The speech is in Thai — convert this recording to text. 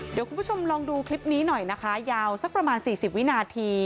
เดี๋ยวคุณผู้ชมลองดูคลิปนี้หน่อยนะคะยาวสักประมาณ๔๐วินาที